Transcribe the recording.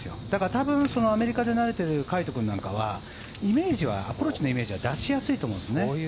多分、アメリカで慣れている魁斗君なんかはアプローチのイメージは出しやすいと思うんですね。